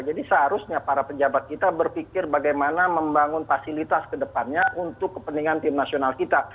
jadi seharusnya para pejabat kita berpikir bagaimana membangun fasilitas kedepannya untuk kepentingan timnasional kita